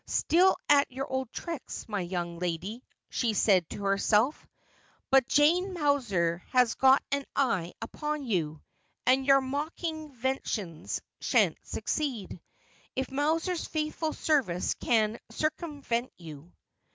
' Still at your old tricks, my young lady,' she said to herself ;' but Jane Mowser has got an eye upon you, and your mockin ventions shan't succeed, if Mowser's faithful service can circum prevent you.'